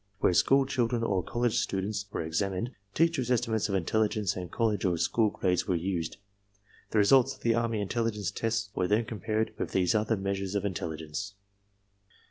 Where school children or college students were exam ined, teacher's estimates of intelligence and college or school grades were used. The results of the army intelligence tests were then compared with these other measures of intelligence.